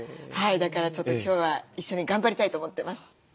だからちょっと今日は一緒に頑張りたいと思ってます。